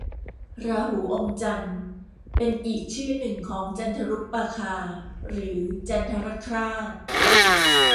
ราหูอมจันทร์ เป็นอีกชื่อหนึ่งของจันทรุปราคา หรือจันทรคราส